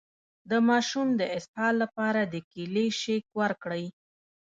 د ماشوم د اسهال لپاره د کیلي شیک ورکړئ